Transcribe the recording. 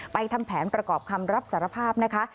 ทำแผนประกอบคำรับสารภาพนะคะ